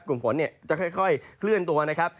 กลุ่มฝนจะค่อยเคลื่อนตัวนะครับ